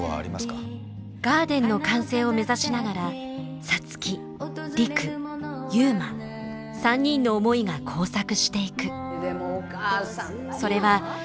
ガーデンの完成を目指しながら皐月陸悠磨３人の思いが交錯していく。